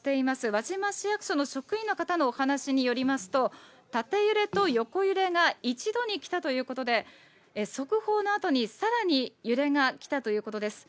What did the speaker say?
輪島市役所の職員の方のお話によりますと、縦揺れと横揺れが一度に来たということで、速報のあとにさらに揺れが来たということです。